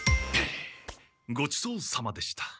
ごちそうさまでした！